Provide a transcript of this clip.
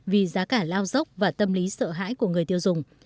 vì giá cả lao dốc và tâm lý sợ hãi của người tiêu dùng